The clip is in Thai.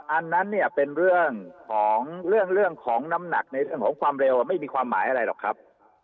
อันนั้นเนี่ยเป็นเรื่องของเรื่องของน้ำหนักในเรื่องของความเร็วไม่มีความหมายอะไรหรอกครับ